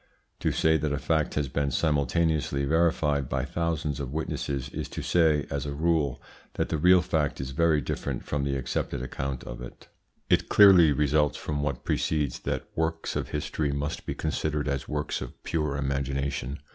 To say that a fact has been simultaneously verified by thousands of witnesses is to say, as a rule, that the real fact is very different from the accepted account of it. It clearly results from what precedes that works of history must be considered as works of pure imagination.